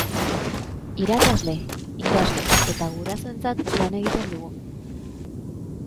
Irakasle, ikasle eta gurasoentzat lan egiten dugu.